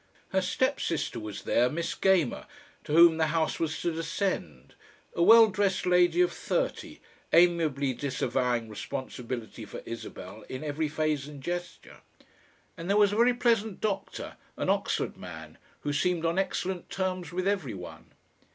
Her step sister was there, Miss Gamer, to whom the house was to descend, a well dressed lady of thirty, amiably disavowing responsibility for Isabel in every phrase and gesture. And there was a very pleasant doctor, an Oxford man, who seemed on excellent terms with every one.